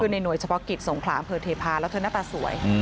คือในหน่วยเฉพาะกิจสงขรามเฮลษฐีพลแล้วเธอน่าตาสวย